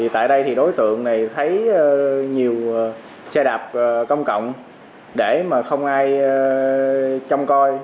tại đây thì đối tượng này thấy nhiều xe đạp công cộng để mà không ai trông coi